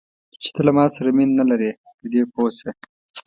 چې ته له ما سره مینه نه لرې، په دې پوه شه.